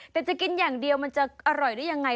แต่จะกินอย่างเดียวมันจะอร่อยได้ยังไง